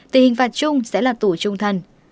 thì hình phạt chung sẽ là tù trung thân